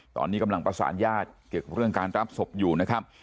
ตอนนี้กำลังประสานญาติเกี่ยวกับเรื่องการรับศพอยู่นะครับ